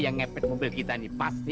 kok coba itu bikin kuat